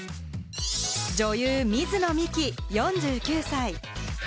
女優・水野美紀、４９歳。